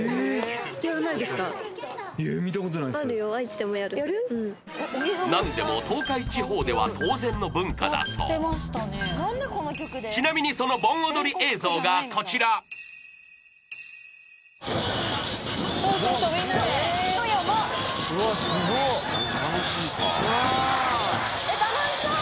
見たことないです何でも東海地方では当然の文化だそうちなみにその盆踊り映像がこちらそうそうみんなで人やばっうわっすごっ楽しそう！